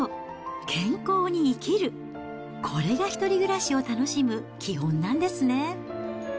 健康に生きる、これが１人暮らしを楽しむ基本なんですね。